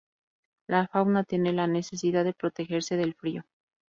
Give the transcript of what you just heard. La fauna tiene la necesidad de protegerse del frío.